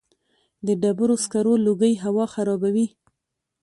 د ډبرو سکرو لوګی هوا خرابوي؟